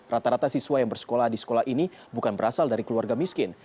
rata rata siswa yang bersekolah di sekolah ini bukan berasal dari keluarga miskin